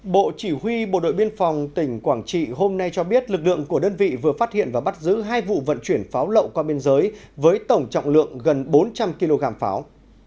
bộ chỉ huy bộ đội biên phòng tỉnh quảng trị hôm nay cho biết lực lượng của đơn vị vừa phát hiện và bắt giữ hai vụ vận chuyển pháo lậu qua biên giới với tổng trọng lượng gần bốn trăm linh kg pháo